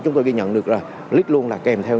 chúng tôi ghi nhận được là lít luôn là kèm theo